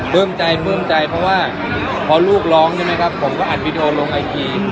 ภึ้มใจเพราะว่าพอลูกร้องใช่มั้ยครับผมก็อ่านวีดีโอลงไอจี